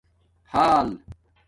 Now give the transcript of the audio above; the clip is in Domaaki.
حال